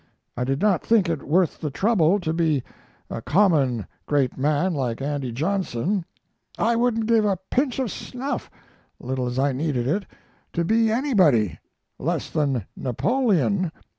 I did not think it worth the trouble to be a common great man like Andy Johnson. I wouldn't give a pinch of snuff, little as I needed it, to be anybody, less than Napoleon.